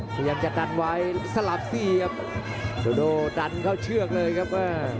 พยายามจะดันไว้สลับซี่ครับโดโดดันเข้าเชือกเลยครับ